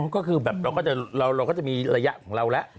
ก็คือแบบเราก็จะมีระยะของเราแล้ว